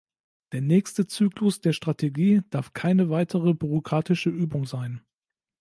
Der nächste Zyklus der Strategie darf keine weitere bürokratische Übung sein.